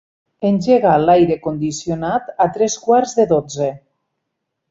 Engega l'aire condicionat a tres quarts de dotze.